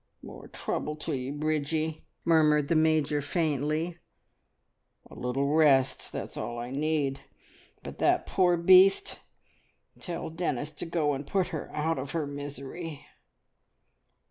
"More trouble to ye, Bridgie!" murmured the Major faintly. "A little rest that's all I need; but that poor beast! Tell Dennis to go and put her out of her misery."